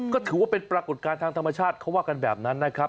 ก็ถือว่าเป็นปรากฏการณ์ทางธรรมชาติเขาว่ากันแบบนั้นนะครับ